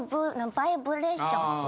バイブレーション。